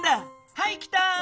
はい来た！